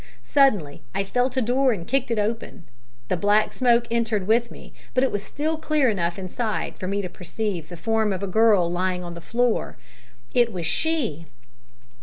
Suddenly I felt a door and kicked it open. The black smoke entered with me, but it was still clear enough inside for me to perceive the form of a girl lying on the floor. It was she!